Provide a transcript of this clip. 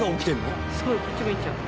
すごいこっち向いちゃう。